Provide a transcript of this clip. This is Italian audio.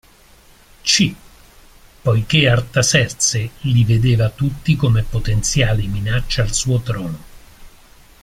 C., poiché Artaserse li vedeva tutti come potenziali minacce al suo trono.